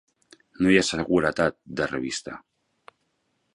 No hi ha seguretat de revista.